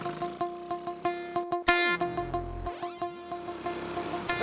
hei sepinggir lo